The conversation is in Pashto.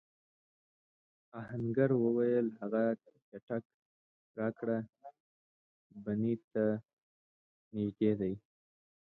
آهنګر وویل هغه څټک راکړه بنۍ ته نږدې دی.